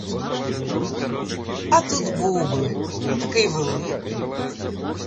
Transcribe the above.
А тут бублик — такий великий!